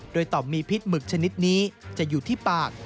โดยต่อมมีพิษหมึกชนิดนี้จะอยู่ที่ปาก